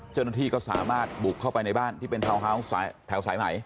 เจ้าหน้าที่ก็สามารถบุกเข้าไปในบ้านที่เป็นทาวน์ฮาวส์แถวสายไหม